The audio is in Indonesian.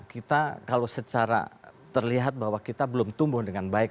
kita kalau secara terlihat bahwa kita belum tumbuh dengan baik